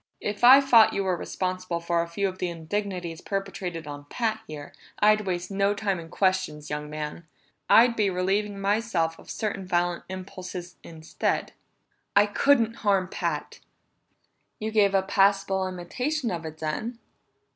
"If I thought you were responsible for a few of the indignities perpetrated on Pat here, I'd waste no time in questions, young man. I'd be relieving myself of certain violent impulses instead." "I couldn't harm Pat!" "You gave a passable imitation of it, then!